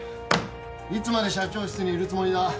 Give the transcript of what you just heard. いつまで社長室にいるつもりだ。